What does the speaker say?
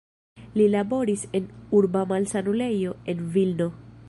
Li laboris en urba malsanulejo en Vilno.